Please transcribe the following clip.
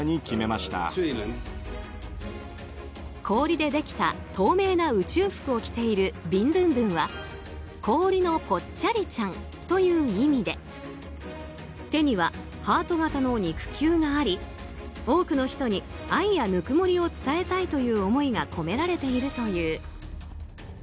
氷でできた透明な宇宙服を着ているビンドゥンドゥンは氷のぽっちゃりちゃんという意味で手にはハート形の肉球があり多くの人に愛やぬくもりを伝えたいという思いが込められているという。